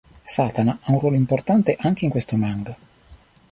Satana ha un ruolo importante anche in questo manga.